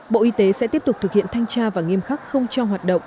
bộ y tế sẽ tiếp tục thực hiện thanh tra và nghiêm khắc không cho hoạt động